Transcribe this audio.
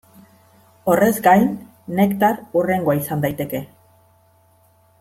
Horrez gain, Nektar hurrengoa izan daiteke.